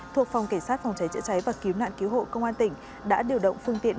thuộc phòng cảnh sát phòng cháy chữa cháy và cứu nạn cứu hộ công an tỉnh đã điều động phương tiện